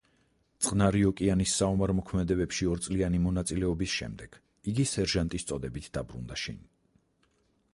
წყნარი ოკეანის საომარ მოქმედებებში ორწლიანი მონაწილეობის შემდეგ იგი სერჟანტის წოდებით დაბრუნდა შინ.